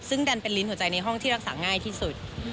ซึ่งดันเป็นลิ้นหัวใจในห้องที่รักษาง่ายที่สุด